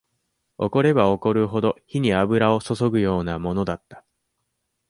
怒れば怒るほど、火に油を注ぐようなものだった。